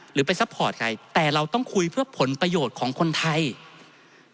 หรือไปซัพพอร์ตใครแต่เราต้องคุยเพื่อผลประโยชน์ของคนไทย